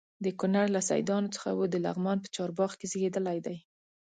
د کونړ له سیدانو څخه و د لغمان په چارباغ کې زیږېدلی دی.